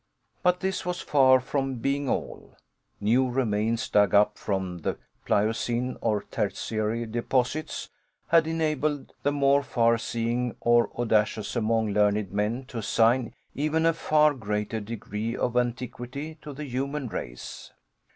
But this was far from being all. New remains, dug up from the Pliocene or Tertiary deposits, had enabled the more far seeing or audacious among learned men to assign even a far greater degree of antiquity to the human race.